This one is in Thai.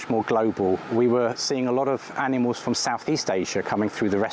ห้องคงยังเป็นเหมือนฐานการค้าสร้างสัตว์ผิดกฎหมาย